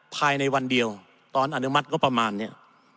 ภายในวันเดียวตอนอนุมัติงบประมาณเนี่ย